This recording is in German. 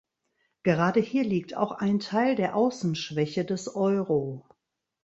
Gerade hier liegt auch ein Teil der Außenschwäche des Euro.